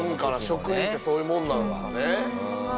職人ってそういうもんなんですかね？